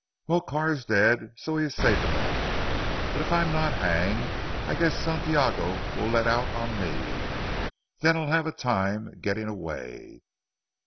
Well Carr is dead so he is safe enough, but if I'm not hanged I guess Santiago will let out on me. Then I'll have a time getting away."